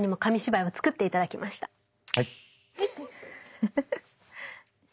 フフフ。